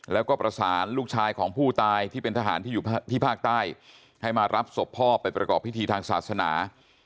แล้วก็ประสานลูกชายของผู้ตายที่เป็นทหารที่อยู่ที่ภาคใต้ให้มารับศพพ่อไปประกอบพิธีทางศาสนา